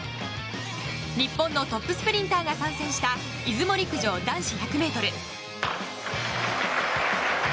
日本のトップスプリンターが参戦した出雲陸上男子１００ｍ。